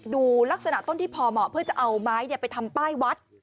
ดูลักษณะต้นที่พอเหมาะเพื่อจะเอาไม้ไปทำป้ายวัด